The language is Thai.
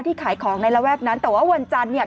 ขายของในระแวกนั้นแต่ว่าวันจันทร์เนี่ย